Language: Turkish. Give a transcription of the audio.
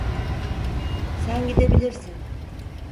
Sen gidebilirsin.